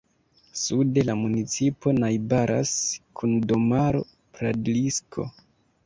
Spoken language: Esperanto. Sude la municipo najbaras kun domaro Pradlisko.